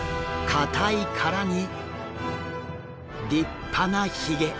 硬い殻に立派なひげ。